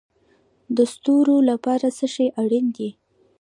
د ستورو لپاره څه شی اړین دی؟